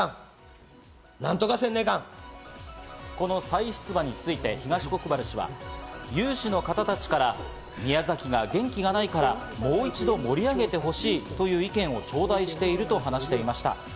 この再出馬について東国原氏は、有志の方たちから宮崎が元気がないから、もう一度盛り上げてほしいという意見を頂戴していると話していました。